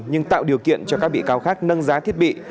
nhưng tạo điều kiện cho các bị cáo khác nâng giá thiết bị